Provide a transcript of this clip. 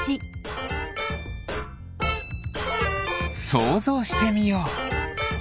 そうぞうしてみよう。